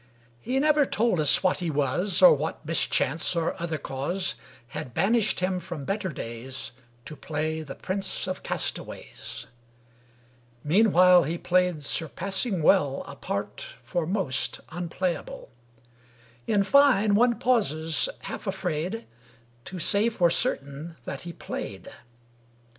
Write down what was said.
He never told us what he was, Or what mischance, or other cause, Had banished him from better days To play the Prince of Castaways. Meanwhile he played surpassing well A part, for most, unplayable; In fine, one pauses, half afraid To say for certain that he played.